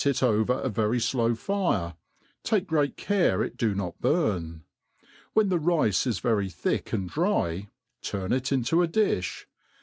it over a very flow fire, take great care it do not burn ^ when the rice is very thick and dry, turt) ie into a difli.